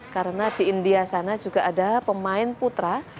karena di india sana juga ada pemain putra